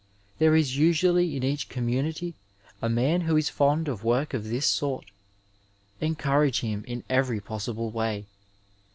There is usually in each community a man who is fond of work of this sort. Encourage him in every possible way.